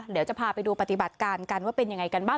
เดี๋ยวจะพาไปดูปฏิบัติการกันว่าเป็นยังไงกันบ้าง